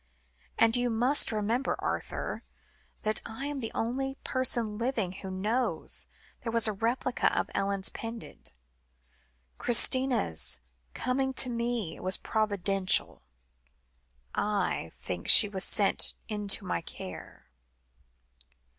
And you must remember, Arthur, that I am the only person living, who knows there was a replica of Ellen's pendant. Christina's coming to me was providential. I think she was sent into my care."